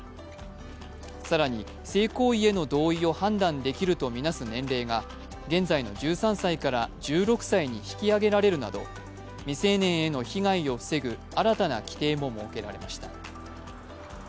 更に性行為への同意を判断できると見なす年齢が現在の１３歳から１６歳に引き上げられるなど未成年への被害を防ぐ新たな規定も設けられました。